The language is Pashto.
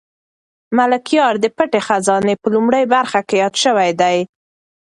ملکیار د پټې خزانې په لومړۍ برخه کې یاد شوی دی.